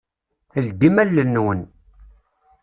Ldim allen-nwen.